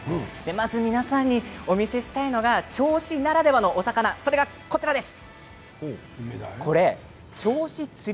まず皆さんにお見せしたいのが銚子ならではのお魚それがこちらです。